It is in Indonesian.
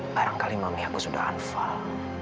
barangkali mami aku sudah hanfal